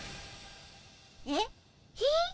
えっ？